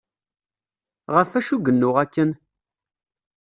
Ɣef acu i yennuɣ akken?